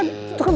itu itu kan